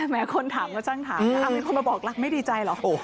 แหมคนถามก็จ้างถามเอาเป็นคนมาบอกรักไม่ดีใจเหรอ